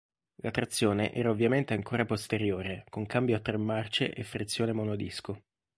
La trazione era ovviamente ancora posteriore, con cambio a tre marce e frizione monodisco.